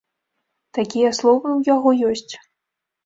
Такія словы ў яго ёсць.